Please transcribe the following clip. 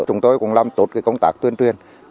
chúng tôi cũng làm tốt công tác tuyên truyền